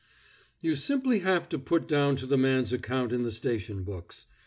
"You simply have it put down to the man's account in the station books.